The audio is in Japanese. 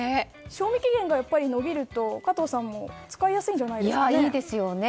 賞味期限が伸びると加藤さんも使いやすいんじゃないんですかね。